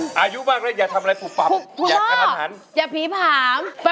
ทุกคนน่าเกิงมากอะไรอยากทำอะไรผูปผับ